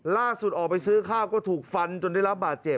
ออกไปซื้อข้าวก็ถูกฟันจนได้รับบาดเจ็บ